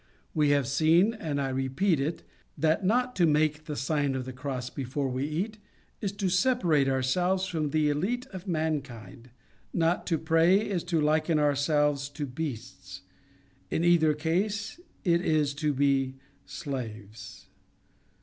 We have seen, and I repeat it, that not to make the Sign of the Cross before we eat, is to separate ourselves from the elite of mankind ; not to pray, is to liken ourselves to beasts. In either case it is to be slaves.